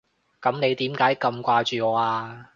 噉你點解咁掛住我啊？